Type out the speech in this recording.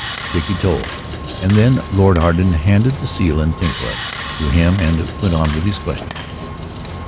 Dickie told. And then Lord Arden handed the seal and Tinkler to him and went on with his questions.